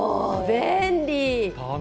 便利。